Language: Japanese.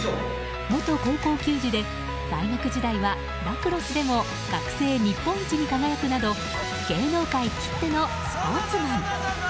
元高校球児で大学時代はラクロスでも学生日本一に輝くなど芸能界きってのスポーツマン。